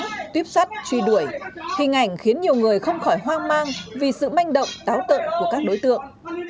nhóm tuyếp sắt truy đuổi hình ảnh khiến nhiều người không khỏi hoang mang vì sự manh động táo tượng của các đối tượng